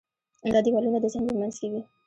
دا دیوالونه د ذهن په منځ کې وي.